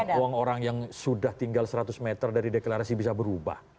masih yakin uang orang yang sudah tinggal seratus meter dari deklarasi bisa berubah